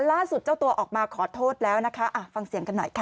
เจ้าตัวออกมาขอโทษแล้วนะคะฟังเสียงกันหน่อยค่ะ